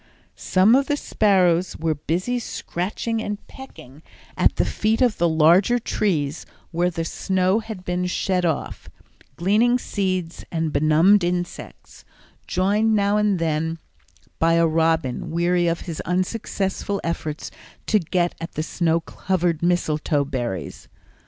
Some of the sparrows were busy scratching and pecking at the feet of the larger trees where the snow had been shed off, gleaning seeds and benumbed insects, joined now and then by a robin weary of his unsuccessful efforts to get at the snow covered mistletoe berries.